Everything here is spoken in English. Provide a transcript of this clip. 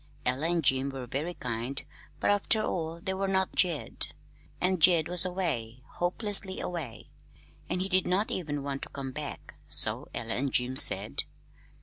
Ella and Jim were very kind; but, after all, they were not Jed, and Jed was away hopelessly away. He did not even want to come back, so Ella and Jim said.